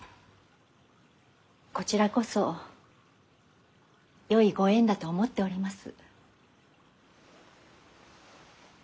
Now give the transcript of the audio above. こちらこそよいご縁だと思っております。